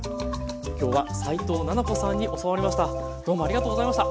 今日は齋藤菜々子さんに教わりました。